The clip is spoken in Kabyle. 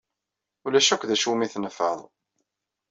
Ulac akk d acu umi tnefɛed.